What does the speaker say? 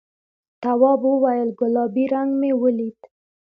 تواب وویل گلابي رنګ مې ولید.